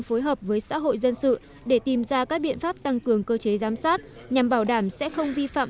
phối hợp với xã hội dân sự để tìm ra các biện pháp tăng cường cơ chế giám sát nhằm bảo đảm sẽ không vi phạm